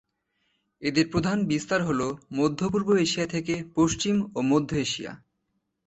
এদের প্রধান বিস্তার হল মধ্য-পূর্ব এশিয়া থেকে পশ্চিম ও মধ্য এশিয়া।